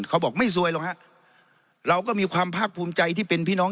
เขาบอกไม่ซวยหรอกฮะเราก็มีความภาคภูมิใจที่เป็นพี่น้อง